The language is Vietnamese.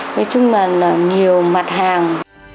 nói chung là nhiều mặt hàng